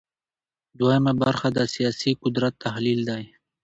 دویمه برخه د سیاسي قدرت تحلیل دی.